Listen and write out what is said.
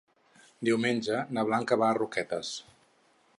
Diumenge na Blanca va a Roquetes.